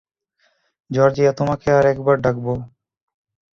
Georgia, তোমাকে আর একবার ডাকবো।